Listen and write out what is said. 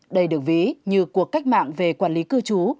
đây được ví như cuộc cách mạng về quản lý cư trú